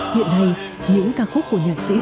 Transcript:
hiện nay những ca khúc của nhạc sĩ huy du